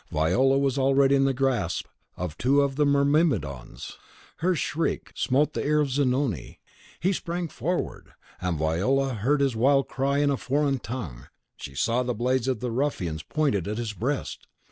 Viola was already in the grasp of two of the myrmidons. Her shriek smote the ear of Zanoni. He sprang forward; and Viola heard his wild cry in a foreign tongue. She saw the blades of the ruffians pointed at his breast!